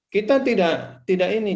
kita tidak tidak ini